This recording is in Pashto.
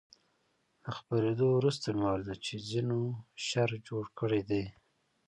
له خپرېدو وروسته مې واورېدل چې ځینو شر جوړ کړی دی.